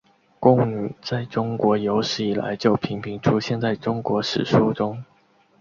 贡女在中国有史以来就频频出现在中国史书中。